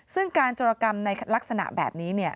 ซึ่งการจรกรรมในลักษณะแบบนี้